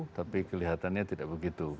tapi kelihatannya tidak begitu